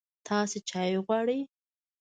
تاسو چای غواړئ؟